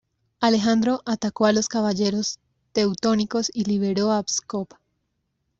Alejandro atacó a los caballeros teutónicos y liberó Pskov.